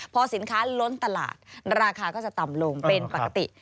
พอสินค้าล้นตลาดราคาก็จะต่ำลงเป็นปกติ